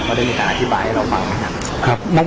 เขาได้มีการอธิบายให้เราฟังไหมครับ